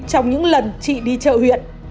trong những lần chị đi chợ huyện